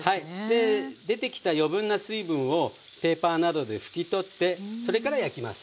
で出てきた余分な水分をペーパーなどで拭き取ってそれから焼きます。